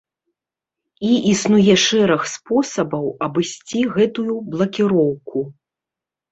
І існуе шэраг спосабаў абысці гэтую блакіроўку.